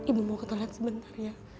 ibu mau ketelan sebentar